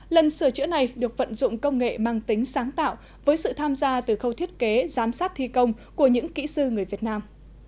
lần sửa chữa này được vận dụng công nghệ mang tính sáng tạo với sự tham gia từ khâu thiết kế giám sát thi công của những kỹ sư người việt nam